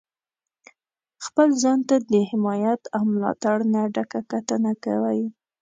خپل ځان ته د حمایت او ملاتړ نه ډکه کتنه کوئ.